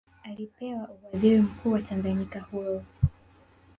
Alipewa uwaziri mkuu wa Tanganyika huru